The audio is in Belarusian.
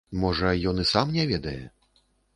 Можа, ён і сам не ведае.